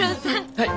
はい？